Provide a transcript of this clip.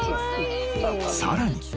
［さらに］